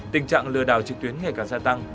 tình trạng lừa đảo trực tuyến ngày càng gia tăng